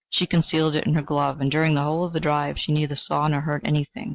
She concealed it in her glove, and during the whole of the drive she neither saw nor heard anything.